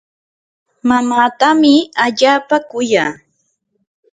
mamaatami allaapa kuya.